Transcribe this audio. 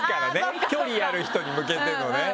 距離ある人に向けてのね。